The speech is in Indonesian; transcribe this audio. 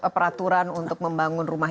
peraturan untuk membangun rumah